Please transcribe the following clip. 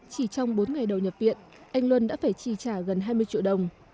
chỉ trong bốn ngày đầu nhập viện anh luân đã phải chi trả gần hai mươi triệu đồng